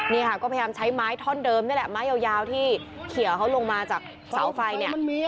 นี่ค่ะก็พยายามใช้ไม้ท่อนเดิมนี่แหละไม้ยาวที่เขียวเขาลงมาจากเสาไฟเนี่ย